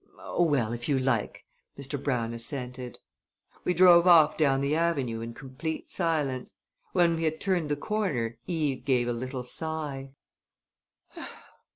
"Oh, well if you like!" Mr. Brown assented. We drove off down the avenue in complete silence. When we had turned the corner Eve gave a little sigh.